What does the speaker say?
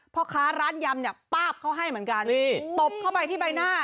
พ่อค้าร้านยำเนี่ยป้าบเขาให้เหมือนกันตบเข้าไปที่ใบหน้า